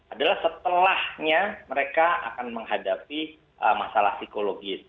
adalah setelahnya mereka akan menghadapi masalah psikologis